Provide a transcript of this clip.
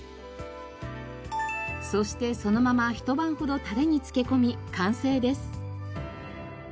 そしてそのまま一晩ほどたれに漬け込み完成です。